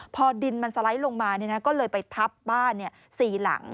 พอดินมันสไลด์ลงมาก็เลยไปทับบ้าน๔หลัง